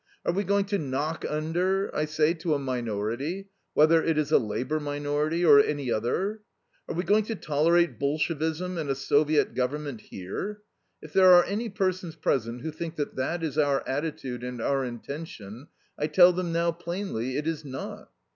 Are we going to knock under, I say, to a minority, whether it is a Labour minority or any other? "Are we going to tolerate Bolshevism and a Soviet Government here? If there are any persons present who think that that is our attitude and our intention, I tell them now plainly it is not.